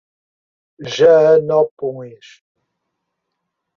Joanópolis